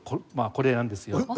これなんですよ。